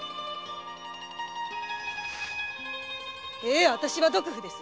ええあたしは毒婦です！